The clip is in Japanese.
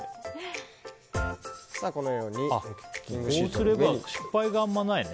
こうすれば失敗があまりないね。